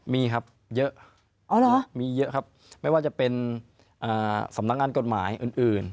มีครับเยอะอ๋อเหรอมีเยอะครับไม่ว่าจะเป็นอ่าสำนักงานกฎหมายอื่นอื่น